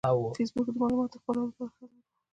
فېسبوک د معلوماتو د خپرولو لپاره ښه لار ده